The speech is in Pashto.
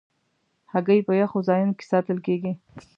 هګۍ په یخو ځایونو کې ساتل کېږي.